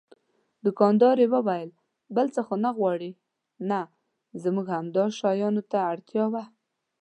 دوکاندارې وویل: بل څه خو نه غواړئ؟ نه، زموږ همدې شیانو ته اړتیا وه.